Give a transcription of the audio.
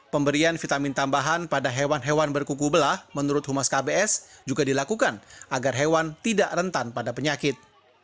pemberian vitamin tambahan pada hewan hewan berkuku belah menurut humas kbs juga dilakukan agar hewan tidak rentan pada penyakit